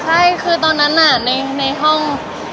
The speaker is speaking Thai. ใช่คือตอนนั้นในห้อง